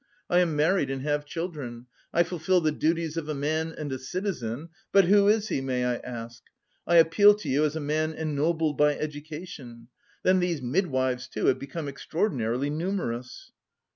I am married and have children, I fulfil the duties of a man and a citizen, but who is he, may I ask? I appeal to you as a man ennobled by education... Then these midwives, too, have become extraordinarily numerous."